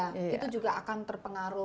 itu juga akan terpengaruh